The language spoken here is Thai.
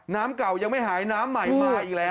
น้ำเก่ายังไม่หายน้ำใหม่มาอีกแล้ว